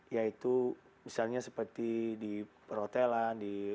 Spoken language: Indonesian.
yaitu misalnya seperti di perhotelan di